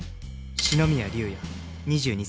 四ノ宮竜也２２歳